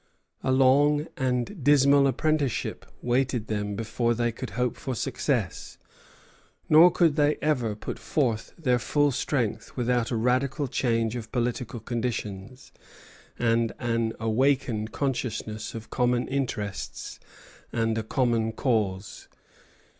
A long and dismal apprenticeship waited them before they could hope for success; nor could they ever put forth their full strength without a radical change of political conditions and an awakened consciousness of common interests and a common cause.